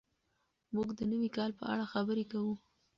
موږ د نوي کال په اړه خبرې کوو.